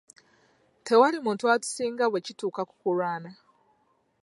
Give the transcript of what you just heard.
Tewali muntu atusinga bwe kituuka ku kulwana.